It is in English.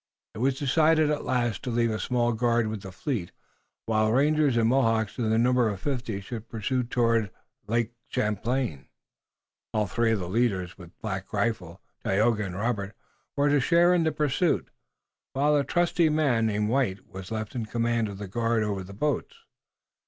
It was decided at last to leave a small guard with the fleet, while rangers and Mohawks to the number of fifty should pursue toward Oneadatote. All three of the leaders, with Black Rifle, Tayoga and Robert, were to share in the pursuit, while a trusty man named White was left in command of the guard over the boats.